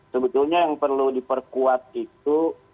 sebetulnya yang perlu diperkuat itu